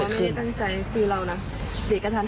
เขาก็บอกว่าไม่ได้ตั้งใจคือเราน่ะเด็กกระทั่นหัน